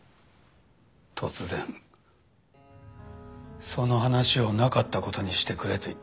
突然その話をなかった事にしてくれと言ってきた。